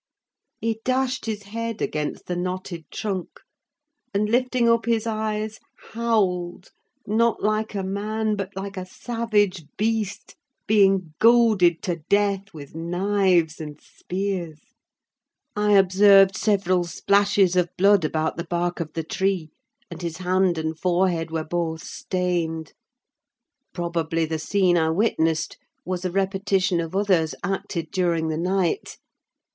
He dashed his head against the knotted trunk; and, lifting up his eyes, howled, not like a man, but like a savage beast being goaded to death with knives and spears. I observed several splashes of blood about the bark of the tree, and his hand and forehead were both stained; probably the scene I witnessed was a repetition of others acted during the night.